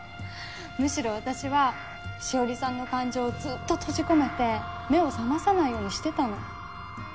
むしろ私は紫織さんの感情をずっと閉じ込めて目を覚まさないようにしてたの。